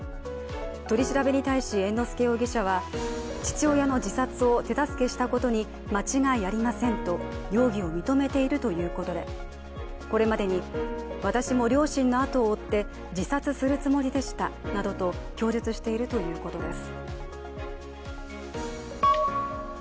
取り調べに対し、猿之助容疑者は父親の自殺を手助けしたことに間違いありませんと容疑を認めているということでこれまでに、私も両親のあとを追って自殺するつもりでしたなどと供述しているということです。